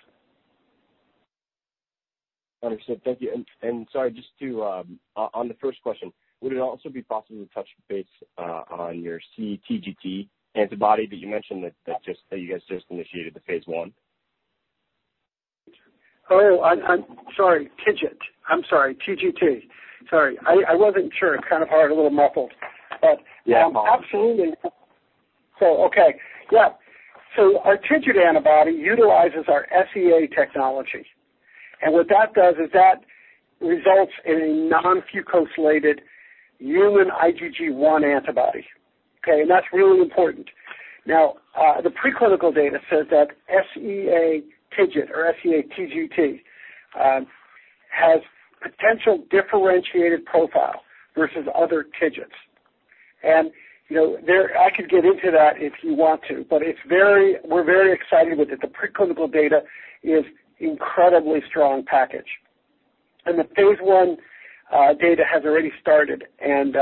Understood. Thank you. Sorry, on the first question, would it also be possible to touch base on your TIGIT antibody that you mentioned that you guys just initiated the phase I?
Oh, I'm sorry, TIGIT. I'm sorry, TIGIT. Sorry. I wasn't sure. Kind of hard, a little muffled.
Yeah.
Absolutely. Okay. Yeah. Our TIGIT antibody utilizes our SEA technology. What that does is that results in a non-fucosylated human IgG1 antibody. Okay? That's really important. Now, the preclinical data says that SEA-TIGIT, or SEA TIGIT, has potential differentiated profile versus other TIGITs. I could get into that if you want to, but we're very excited with it. The preclinical data is incredibly strong package. The phase I data has already started, and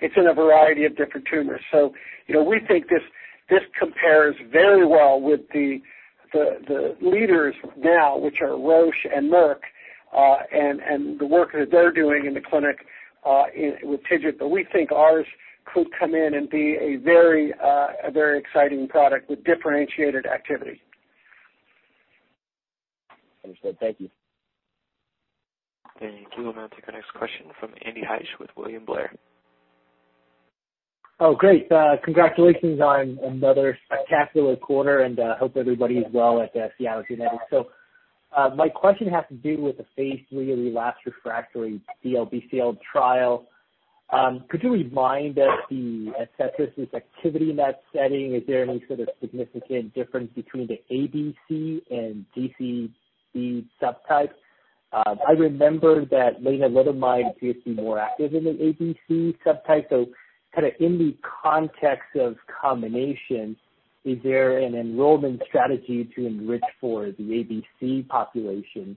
it's in a variety of different tumors. We think this compares very well with the leaders now, which are Roche and Merck, and the work that they're doing in the clinic with TIGIT. We think ours could come in and be a very exciting product with differentiated activity.
Understood. Thank you.
Thank you. We'll now take our next question from Andy Hsieh with William Blair.
Great. Congratulations on another spectacular quarter. I hope everybody is well at Seattle. My question has to do with the phase III relapsed refractory DLBCL trial. Could you remind us the ADCETRIS activity in that setting? Is there any sort of significant difference between the ABC and GCB subtypes? I remember that lenalidomide appears to be more active in an ABC subtype. Kind of in the context of combination, is there an enrollment strategy to enrich for the ABC population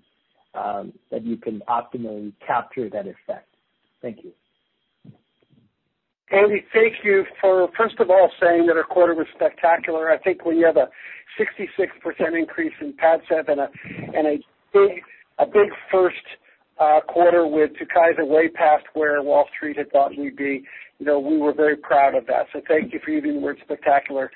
that you can optimally capture that effect? Thank you.
Andy, thank you for, first of all, saying that our quarter was spectacular. I think when you have a 66% increase in PADCEV and a big first quarter with TUKYSA way past where Wall Street had thought we'd be, we were very proud of that. Thank you for using the word spectacular.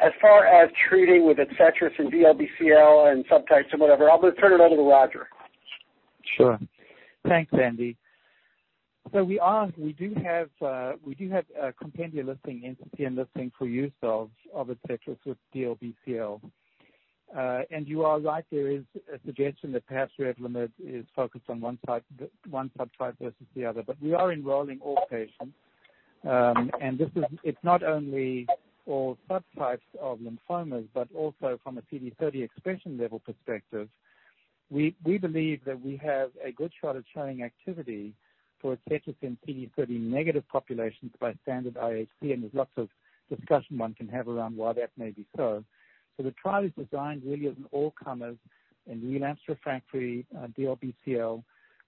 As far as treating with ADCETRIS and DLBCL and subtypes and whatever, I'm going to turn it over to Roger.
Sure. Thanks, Andy. We do have a compendia listing, NCCN listing for use of ADCETRIS with DLBCL. You are right, there is a suggestion that perhaps REVLIMID is focused on one subtype versus the other. We are enrolling all patients. It's not only all subtypes of lymphomas, but also from a CD30 expression level perspective, we believe that we have a good shot at showing activity for ADCETRIS in CD30 negative populations by standard IHC, and there's lots of discussion one can have around why that may be so. The trial is designed really as an all-comers in relapsed refractory DLBCL,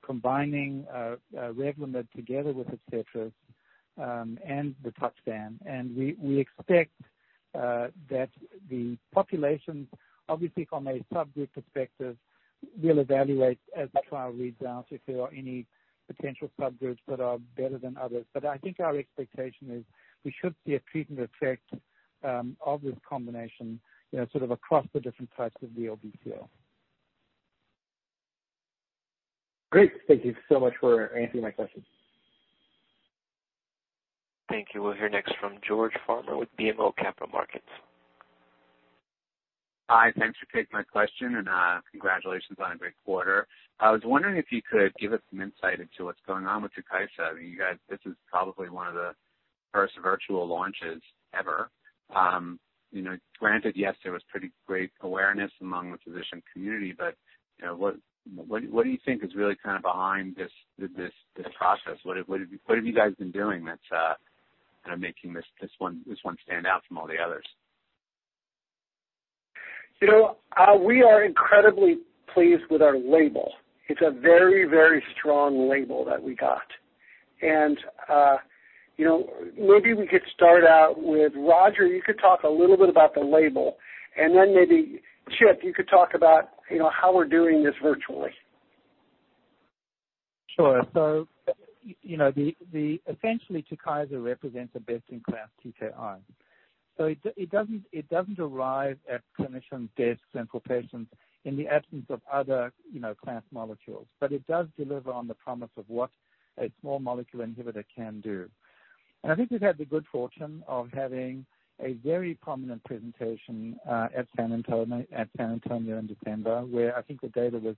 combining REVLIMID together with ADCETRIS, and the touch scan. We expect that the populations, obviously from a subgroup perspective, we'll evaluate as the trial reads out if there are any potential subgroups that are better than others. I think our expectation is we should see a treatment effect of this combination, sort of across the different types of DLBCL.
Great. Thank you so much for answering my question.
Thank you. We'll hear next from George Farmer with BMO Capital Markets.
Hi, thanks for taking my question, and congratulations on a great quarter. I was wondering if you could give us some insight into what's going on with TUKYSA. This is probably one of the first virtual launches ever. Granted, yes, there was pretty great awareness among the physician community. What do you think is really kind of behind this process? What have you guys been doing that's kind of making this one stand out from all the others?
We are incredibly pleased with our label. It's a very strong label that we got. Maybe we could start out with Roger, you could talk a little bit about the label, and then maybe Chip, you could talk about how we're doing this virtually.
Sure. Essentially TUKYSA represents a best-in-class TKI. It doesn't arrive at clinician desks and for patients in the absence of other class molecules. It does deliver on the promise of what a small molecule inhibitor can do. I think we've had the good fortune of having a very prominent presentation at San Antonio in December, where I think the data was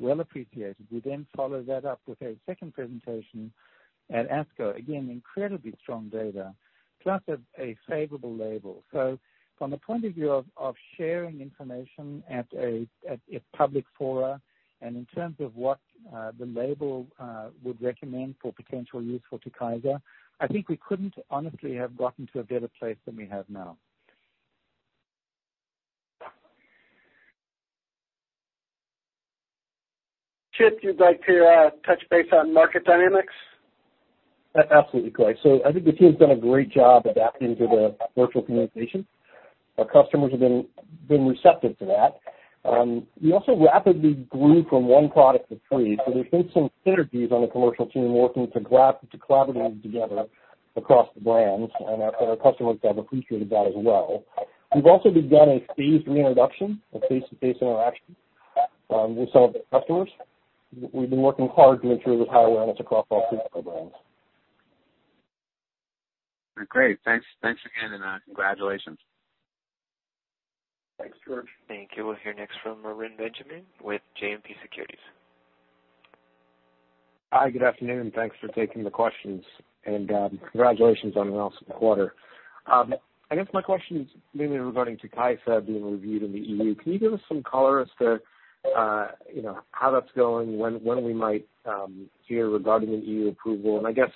well appreciated. We followed that up with a second presentation at ASCO. Again, incredibly strong data, plus a favorable label. From the point of view of sharing information at a public forum and in terms of what the label would recommend for potential use for TUKYSA, I think we couldn't honestly have gotten to a better place than we have now.
Chip, you'd like to touch base on market dynamics?
Absolutely, Clay. I think the team's done a great job adapting to the virtual communication. Our customers have been receptive to that. We also rapidly grew from one product to three, so there's been some synergies on the commercial team working to collaborate together across the brands, and our customers have appreciated that as well. We've also begun a phased reintroduction of face-to-face interaction with some of the customers. We've been working hard to ensure there's high awareness across all three of our brands.
Great. Thanks again, and congratulations.
Thanks, George.
Thank you. We'll hear next from Reni Benjamin with JMP Securities.
Hi, good afternoon. Thanks for taking the questions. Congratulations on an awesome quarter. I guess my question is mainly regarding TUKYSA being reviewed in the EU. Can you give us some color as to how that's going, when we might hear regarding the EU approval, I guess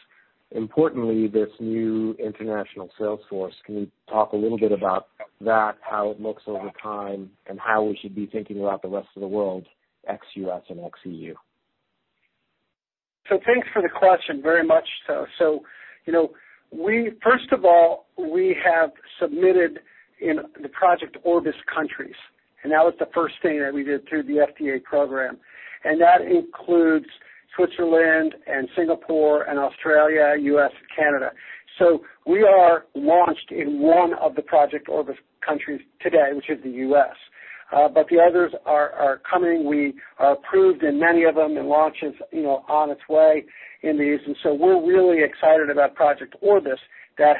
importantly, this new international sales force. Can you talk a little bit about that, how it looks over time, and how we should be thinking about the rest of the world, ex-U.S. and ex-EU?
Thanks for the question very much. First of all, we have submitted in the Project Orbis countries. That was the first thing that we did through the FDA program. That includes Switzerland, Singapore, Australia, U.S., and Canada. We are launched in one of the Project Orbis countries today, which is the U.S. The others are coming. We are approved in many of them, and launch is on its way in these. We're really excited about Project Orbis that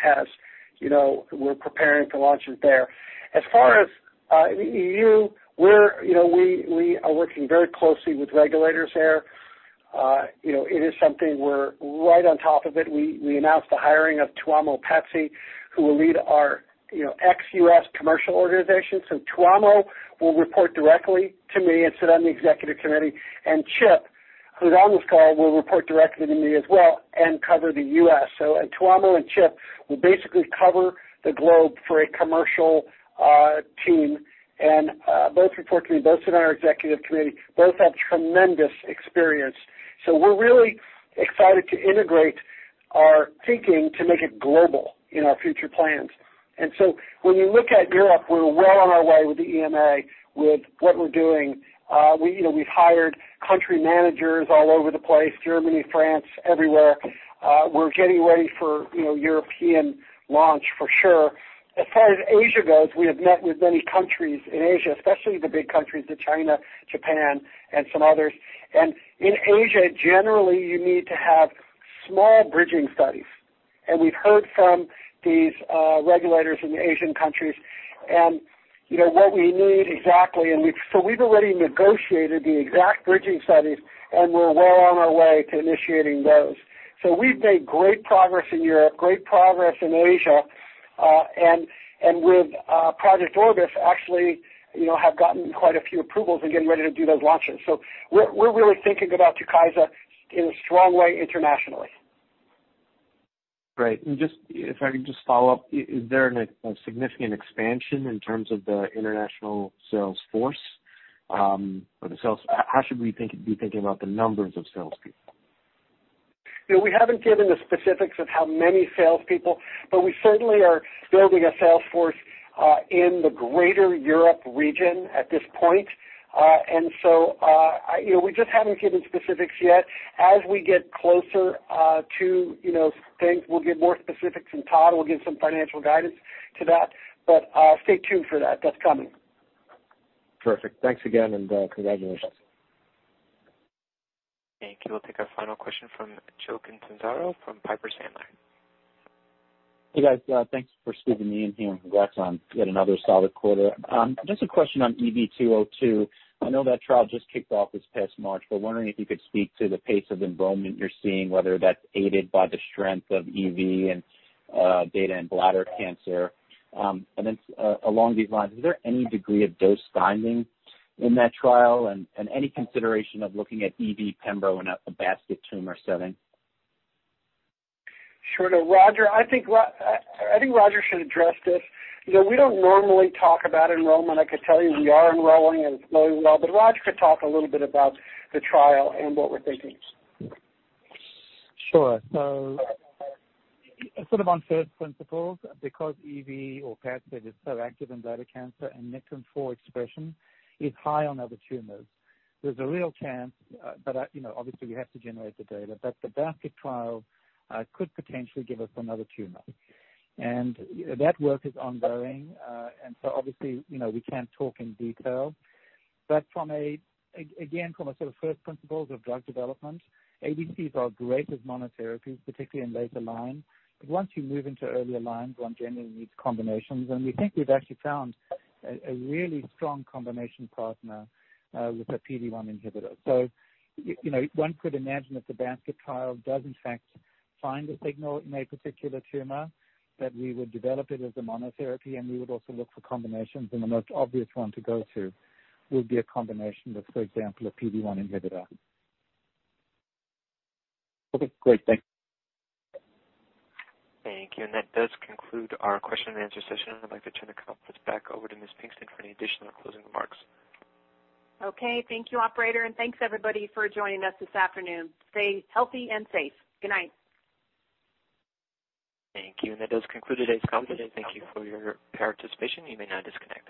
we're preparing to launch it there. As far as EU, we are working very closely with regulators there. It is something we're right on top of it. We announced the hiring of Tuomo Pätsi, who will lead our ex-U.S. commercial organization. Tuomo will report directly to me and sit on the executive committee, and Chip, who's on this call, will report directly to me as well and cover the U.S. Tuomo and Chip will basically cover the globe for a Commercial team, and both report to me, both sit on our Executive Committee. Both have tremendous experience. We're really excited to integrate our thinking to make it global in our future plans. When you look at Europe, we're well on our way with the EMA, with what we're doing. We've hired country Managers all over the place, Germany, France, everywhere. We're getting ready for European launch for sure. As far as Asia goes, we have met with many countries in Asia, especially the big countries of China, Japan, and some others. In Asia, generally, you need to have small bridging studies. We've heard from these regulators in the Asian countries and what we need exactly, we've already negotiated the exact bridging studies, and we're well on our way to initiating those. We've made great progress in Europe, great progress in Asia. With Project Orbis, actually have gotten quite a few approvals and getting ready to do those launches. We're really thinking about TUKYSA in a strong way internationally.
Great. If I could just follow up, is there a significant expansion in terms of the international sales force? How should we be thinking about the numbers of salespeople?
We haven't given the specifics of how many salespeople, but we certainly are building a sales force in the greater Europe region at this point. We just haven't given specifics yet. As we get closer to things, we'll give more specifics, and Todd will give some financial guidance to that. Stay tuned for that. That's coming.
Perfect. Thanks again, and congratulations.
Thank you. We'll take our final question from Joe Catanzaro from Piper Sandler.
Hey, guys. Thanks for squeezing me in here, and congrats on yet another solid quarter. Just a question on EV-202. I know that trial just kicked off this past March, but wondering if you could speak to the pace of enrollment you're seeing, whether that's aided by the strength of EV and data in bladder cancer. Along these lines, is there any degree of dose finding in that trial and any consideration of looking at EV pembo in a basket tumor setting?
Sure. I think Roger should address this. We don't normally talk about enrollment. I could tell you we are enrolling, and it's going well, but Roger could talk a little bit about the trial and what we're thinking.
Sure. Sort of on first principles, because EV or PADCEV is so active in urothelial cancer and Nectin-4 expression is high on other tumors, there's a real chance, obviously we have to generate the data, the basket trial could potentially give us another tumor. That work is ongoing. Obviously, we can't talk in detail. Again, from a sort of first principles of drug development, ADCs are great as monotherapies, particularly in later lines. Once you move into earlier lines, one generally needs combinations. We think we've actually found a really strong combination partner with a PD-1 inhibitor. One could imagine if the basket trial does in fact find a signal in a particular tumor, that we would develop it as a monotherapy, and we would also look for combinations, and the most obvious one to go to would be a combination with, for example, a PD-1 inhibitor.
Okay, great. Thanks.
Thank you. That does conclude our question and answer session. I'd like to turn the conference back over to Ms. Pinkston for any additional closing remarks.
Okay. Thank you, operator, and thanks everybody for joining us this afternoon. Stay healthy and safe. Good night.
Thank you. That does conclude today's conference. Thank you for your participation. You may now disconnect.